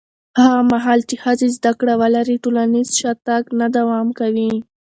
هغه مهال چې ښځې زده کړه ولري، ټولنیز شاتګ نه دوام کوي.